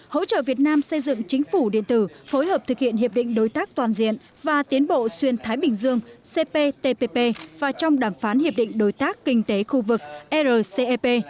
hỗ trợ việt nam xây dựng chính phủ điện tử phối hợp thực hiện hiệp định đối tác toàn diện và tiến bộ xuyên thái bình dương cptpp và trong đàm phán hiệp định đối tác kinh tế khu vực rcep